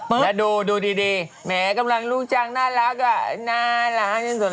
และดูดีแหมกำลังลูกช้างน่ารักล่ะน่ารักนี่นี่สุดเลย